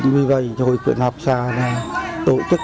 vì vậy hội quyền học xa là tổ chức